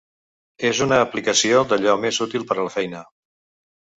És una aplicació d’allò més útil per a la feina.